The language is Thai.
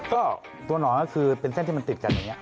ก็ตัวหนอนก็คือเป็นเส้นที่มันติดกันอย่างนี้